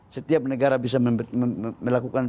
setiap negara bisa melakukan